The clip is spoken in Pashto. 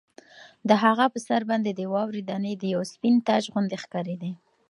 د هغه په سر باندې د واورې دانې د یوه سپین تاج غوندې ښکارېدې.